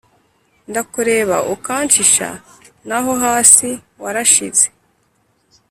Ndakureba ukanshisha naho hasi warashize.